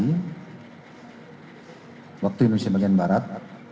di waktu indonesia bagian barat